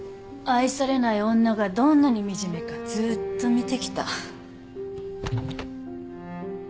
愛されない女がどんなに惨めかずっと見てきた。